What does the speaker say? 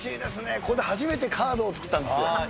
ここで初めてカードを作ったんですよ。